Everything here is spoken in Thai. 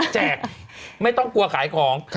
แจกไม่ต้องกลัวขายของ